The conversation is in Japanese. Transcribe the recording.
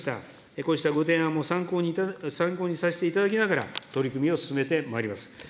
こうしたご提案も参考にさせていただきながら、取り組みを進めてまいります。